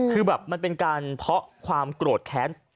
คือแบบมันเป็นการเพาะความโกรธแค้น